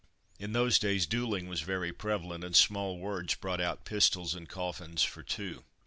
In those days duelling was very prevalent, and small words brought out pistols and coffins for two.